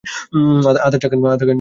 আদা চা খান, শরীরের জন্যে ভালো।